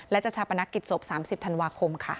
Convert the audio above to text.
และจะชาปนักกิจศพ๓๐ธันวาคมค่ะ